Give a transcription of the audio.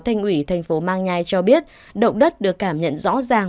thành ủy thành phố mang nhai cho biết động đất được cảm nhận rõ ràng